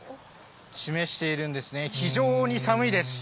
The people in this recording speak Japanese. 示しているんですね、非常に寒いです。